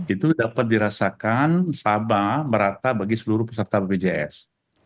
itu dapat dirasakan sama merata bagi seluruh peserta bpjs